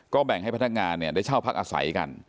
แบ่งให้พนักงานได้เช่าพักอาศัยกัน